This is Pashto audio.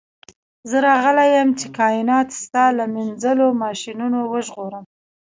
زه راغلی یم چې کائنات ستا له مینځلو ماشینونو وژغورم